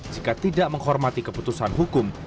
jika tidak menghormati keputusan hukum